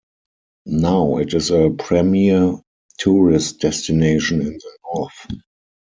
Now, it is a premiere tourist destination in the north.